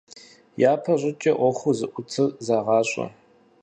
Япэщӏыкӏэ ӏуэхур зыӀутыр зэгъащӏэ.